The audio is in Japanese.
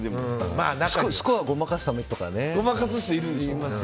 スコアをごまかすためにね。